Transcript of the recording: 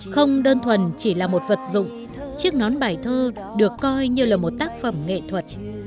không đơn thuần chỉ là một vật dụng chiếc nón bài thơ được coi như là một tác phẩm nghệ thuật